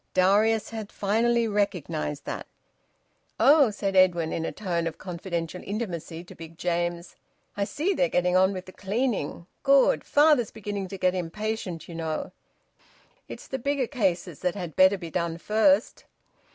Darius had finally recognised that. "Oh!" said Edwin, in a tone of confidential intimacy to Big James, "I see they're getting on with the cleaning! Good. Father's beginning to get impatient, you know. It's the bigger cases that had better be done first."